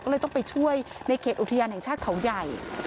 ก็เลยต้องไปช่วยในเขตอุทยานแห่งชาติเขาใหญ่